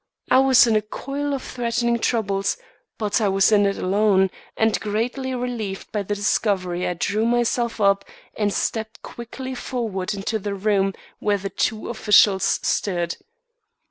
I was in a coil of threatening troubles, but I was in it alone, and, greatly relieved by the discovery, I drew myself up and stepped quickly forward into the room where the two officials stood.